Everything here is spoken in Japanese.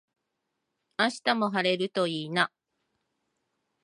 明日も晴れるといいな。